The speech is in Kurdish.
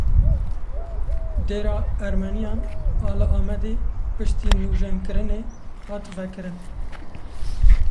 Dêra Ermeniyan a li Amedê piştî nûjenkirinê hat vekirin.